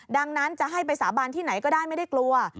ดังนั้นจะให้ไปสาบานที่ไหนก็ได้ไม่ได้กลัว